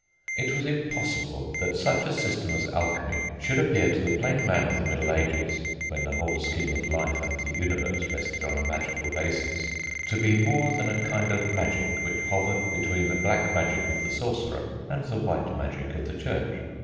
It was impossible that such a system as alchemy should appear to the plain man of the middle ages, when the whole scheme of life and the universe rested on a magical basis, to be more than a kind of magic which hovered between the black magic of the Sorcerer and the white magic of the Church.